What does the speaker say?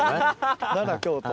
奈良京都。